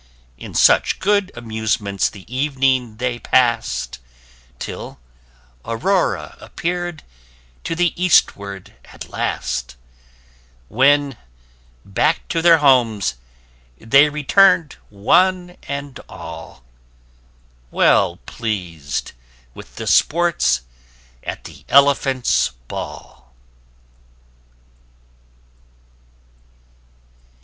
In such good amusements the evening they past, [p 16] Till Aurora appear'd to the eastward at last: When back to their homes, they return'd one and all, Well pleas'd with the sports at the Elephant's Ball.